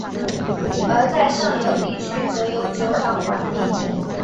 而在上游地区则由酋长管领。